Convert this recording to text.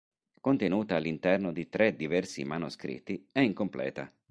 Contenuta all'interno di tre diversi manoscritti, è incompleta.